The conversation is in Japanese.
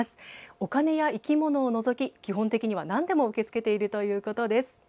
お金や生き物を除き基本的にはなんでも受けてつけているということです。